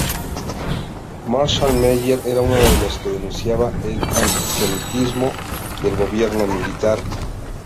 Marshall Meyer era uno de los que denunciaba el antisemitismo del gobierno militar.